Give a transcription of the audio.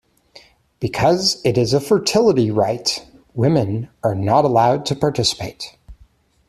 Because it is a fertility rite, women are not allowed to participate.